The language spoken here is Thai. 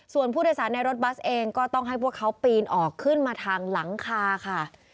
ส่วนผู้โดยสารในรถบัสเองก็ต้องให้พวกเขาปีนออกขึ้นมาทางหลังคาค่ะ